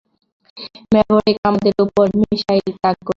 Maverick আমাদের ওপর missile তাক করেছে।